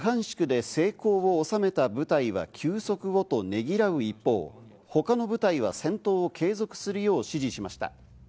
プーチン大統領はルハンシクで成功を収めた部隊は休息をとねぎらう一方、他の部隊は戦闘を継続するよう指示しました。